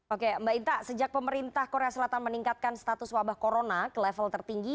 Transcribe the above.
oke mbak inta sejak pemerintah korea selatan meningkatkan status wabah corona ke level tertinggi